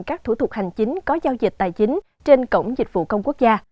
các thủ tục hành chính có giao dịch tài chính trên cổng dịch vụ công quốc gia